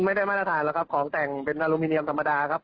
ไม่ได้มาตรฐานหรอกครับของแต่งเป็นอลูมิเนียมธรรมดาครับ